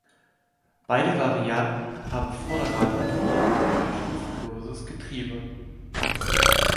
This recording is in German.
Beide Varianten haben Vorderradantrieb und ein stufenloses Getriebe.